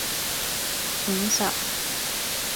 五十